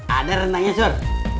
ada rendangnya sur